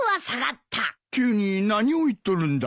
急に何を言っとるんだ？